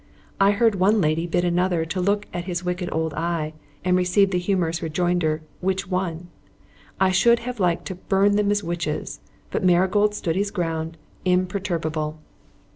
I heard one lady bid another to look at his wicked old eye, and receive the humorous rejoinder: "Which one?" I should have liked to burn them as witches; but Marigold stood his ground, imperturbable.